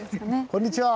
こんにちは。